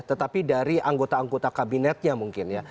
tetapi dari anggota anggota kabinetnya mungkin ya